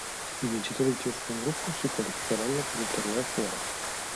I vincitori di ciascun gruppo si qualificheranno per il torneo finale.